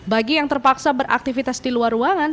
bagi yang terpaksa beraktivitas di luar ruangan